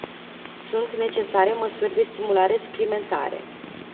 Sunt necesare măsuri de stimulare suplimentare.